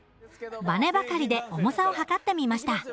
ばねばかりで重さを量ってみました。